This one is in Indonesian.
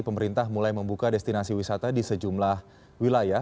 pemerintah mulai membuka destinasi wisata di sejumlah wilayah